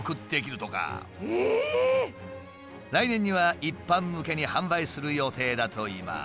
来年には一般向けに販売する予定だといいます。